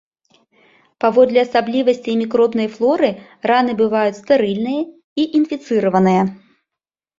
Паводле асаблівасцей мікробнай флоры раны бываюць стэрыльныя і інфіцыраваныя.